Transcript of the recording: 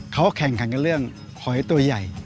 เขาแข่งขันกับเรื่องหอยตัวใหญ่